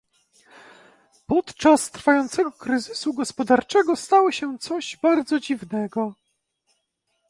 Podczas trwającego kryzysu gospodarczego stało się coś bardzo dziwnego